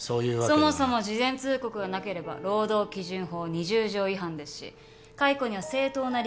そもそも事前通告がなければ労働基準法２０条違反ですし解雇には正当な理由が必要です。